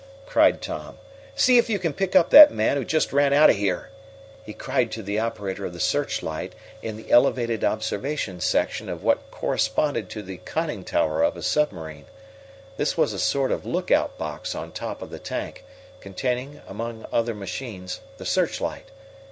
cried Tom. "See if you can pick up that man who just ran out of here!" he cried to the operator of the searchlight in the elevated observation section of what corresponded to the conning tower of a submarine. This was a sort of lookout box on top of the tank, containing, among other machines, the searchlight.